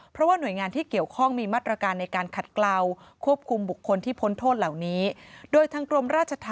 เพื่อคืนคนดีออกมาสู่สังคม